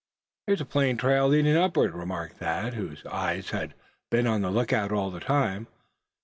"Here's a plain trail leading upward," remarked Thad, whose eyes had been on the lookout all the time.